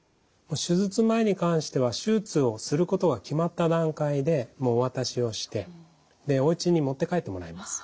手術前に関しては手術をすることが決まった段階でもうお渡しをしておうちに持って帰ってもらいます。